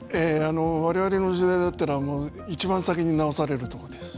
われわれの時代だったらいちばん先に直されるところです。